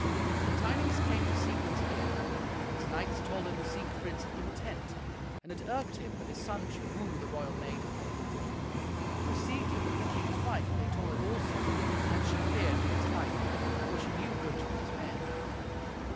The tidings came to Siegmund's ear. His knights told him Siegfried's intent, and it irked him that his son should woo the royal maiden. To Sieglind, the king's wife, they told it also, and she feared for his life, for she knew Gunther and his men.